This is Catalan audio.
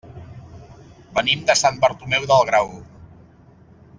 Venim de Sant Bartomeu del Grau.